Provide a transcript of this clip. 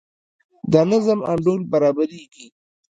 د نظم انډول برابریږي.